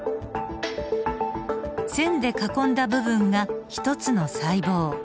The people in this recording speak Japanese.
線で囲んだ部分が１つの細胞。